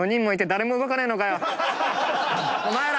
お前ら！